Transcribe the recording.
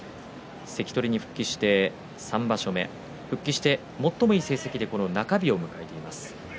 関取に復帰して３場所目復帰して最もいい成績で中日を迎えています。